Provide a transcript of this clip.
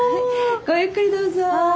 ごゆっくりどうぞ。